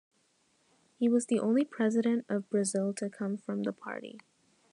He was the only president of Brazil to come from the party.